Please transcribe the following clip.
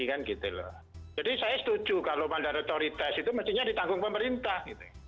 jadi saya setuju kalau mandatory test itu mestinya ditanggung pemerintah